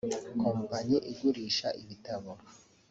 kompanyi igurisha ibitabo